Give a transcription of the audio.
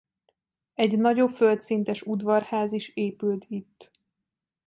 Egy nagyobb földszintes udvarház is épült itt.